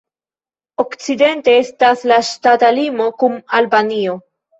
Okcidente estas la ŝtata limo kun Albanio.